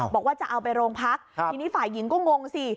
บอกว่าจะเอาไปโรงพักทีนี้ฝ่ายหญิงก็งงสิ